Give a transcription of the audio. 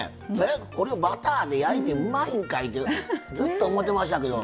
これバターで焼いてうまいんかいってずっと思ってましたけど。